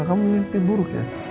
kamu mimpi buruk ya